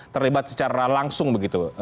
terlibat secara langsung begitu